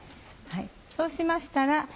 そうしましたら。